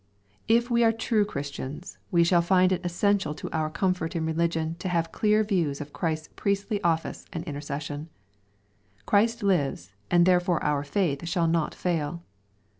If we are true Christians, we shall find it essential to our comfort in religion to have clear views of Christ's priestly oflSce and intercession. Christ lives, and tlierefore our faith shall not fail.